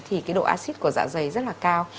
thì cái độ acid của dạ dày rất là cao